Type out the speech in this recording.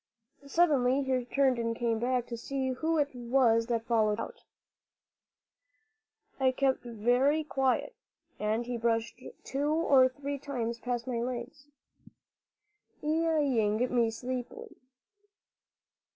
Suddenly he turned and came back to see who it was that followed him about. I kept very quiet, and he brushed two or three times past my legs, eyeing me sleepily.